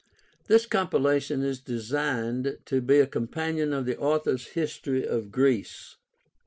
This compilation is designed to be a companion to the author's History of Greece.